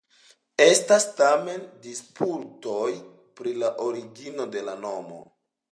Estas tamen disputoj pri la origino de la nomo.